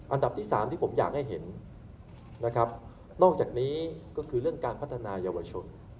อันดับที่สามที่ผมอยากให้เห็นนะครับนอกจากนี้ก็คือเรื่องการพัฒนายาวชน